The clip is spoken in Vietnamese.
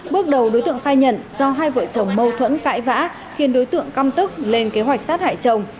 bước đầu đối tượng khai nhận do hai vợ chồng mâu thuẫn cãi vã khiến đối tượng căm tức lên kế hoạch sát hại chồng